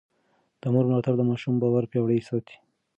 د مور ملاتړ د ماشوم باور پياوړی ساتي.